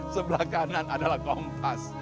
sebelah kanan adalah kompas